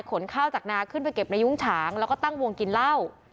ขนข้าวจากนาขึ้นไปเก็บในยุ้งฉางแล้วก็ตั้งวงกินเหล้า